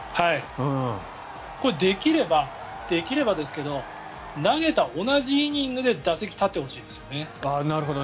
これ、できればですけど投げた同じイニングで打席に立ってほしいんですよね。